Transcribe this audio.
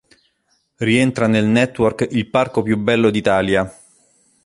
Rientra nel network "Il Parco più bello d'Italia".